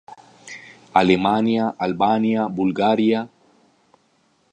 Alemania, Albania, Bulgaria.